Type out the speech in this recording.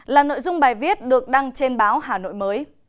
là nội dung bài viết được đăng trên báo hà nội mới